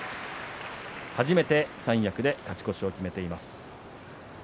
初めて三役で勝ち越しを決めました。